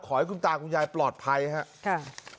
ขอให้คุณตาคุณยายปลอดภัยครับ